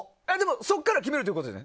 そこから決めるってことです。